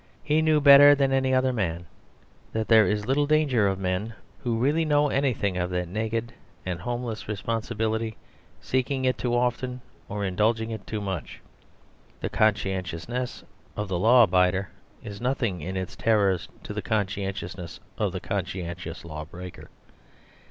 He knew better than any man that there is little danger of men who really know anything of that naked and homeless responsibility seeking it too often or indulging it too much. The conscientiousness of the law abider is nothing in its terrors to the conscientiousness of the conscientious law breaker.